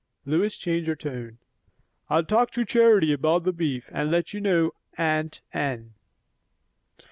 Lois changed her tone. "I'll talk to Charity about the beef, and let you know, aunt Anne."